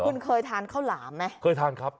คุณเคยทานข้าวหลามไหมเคยทานครับ